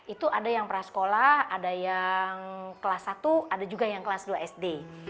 itu ada yang prasekolah ada yang kelas satu ada juga yang kelas dua sd